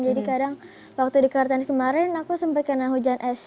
jadi kadang waktu di kartunis kemarin aku sampai kena hujan es